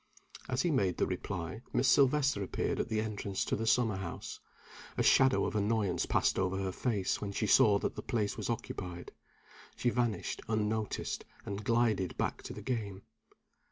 As he made the reply, Miss Silvester appeared at the entrance to the summer house. A shadow of annoyance passed over her face when she saw that the place was occupied. She vanished, unnoticed, and glided back to the game.